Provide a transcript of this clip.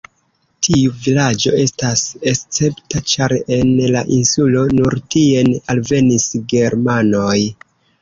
Tiu vilaĝo estas escepta, ĉar en la insulo nur tien alvenis germanoj.